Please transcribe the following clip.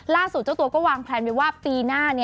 เจ้าตัวก็วางแพลนไว้ว่าปีหน้า